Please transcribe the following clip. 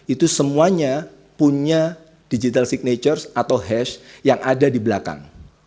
itu semuanya punya digital signature atau hesh yang ada di belakang